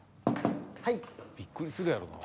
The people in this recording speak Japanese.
びっくりするやろな。